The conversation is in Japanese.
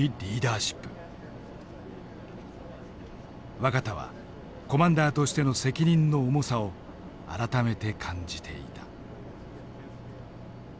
若田はコマンダーとしての責任の重さを改めて感じていた。